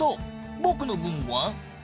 僕の分は？